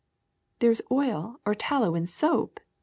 ''There is oil or tallow in soap?"